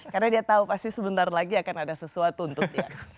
karena dia tahu pasti sebentar lagi akan ada sesuatu untuk dia